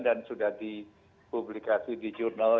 dan sudah dipublikasi di jurnal